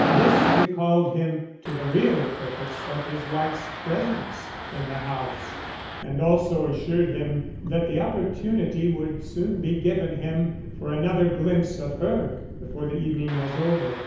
This recalled him to the real purpose of his wife's presence in the house, and also assured him that the opportunity would soon be given him for another glimpse of her before the evening was over.